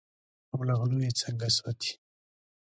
او له غلو یې څنګه ساتې.